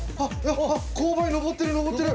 勾配上ってる上ってる！